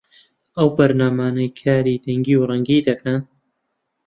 ئەو بەرنامانەی کاری دەنگی و ڕەنگی دەکەن